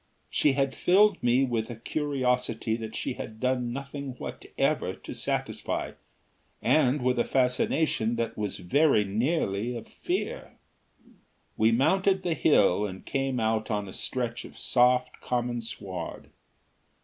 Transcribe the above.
She had filled me with a curiosity that she had done nothing whatever to satisfy, and with a fascination that was very nearly a fear. We mounted the hill and came out on a stretch of soft common sward.